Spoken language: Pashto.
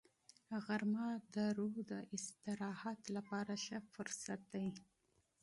غرمه د روح د استراحت لپاره ښه فرصت دی